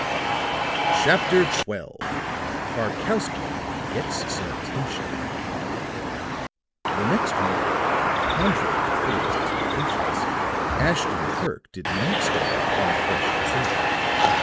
CHAPTER XII KARKOWSKY GETS SOME ATTENTION The next morning, contrary to Fuller's expectations, Ashton Kirk did not start out on a fresh trail.